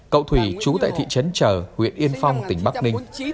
cậu thủy trú tại thị trấn trờ huyện yên phong tỉnh bắc ninh